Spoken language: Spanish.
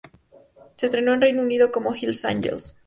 Se estrenó en Reino Unido como Hill’s Angels.